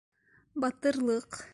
Батырлыҡ